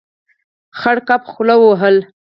خړ کب خوله وهله.